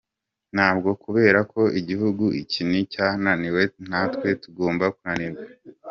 Ntabwo kubera ko igihugu iki n’iki cyananiwe natwe tugomba kunanirwa.